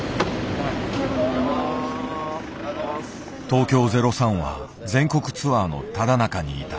東京０３は全国ツアーのただ中にいた。